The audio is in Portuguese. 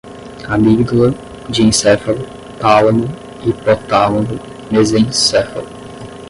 amigdala, diencéfalo, tálamo, hipotálamo, mesencéfalo